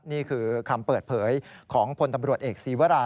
นี่คือคำเปิดเผยของพลตำรวจเอกศีวรา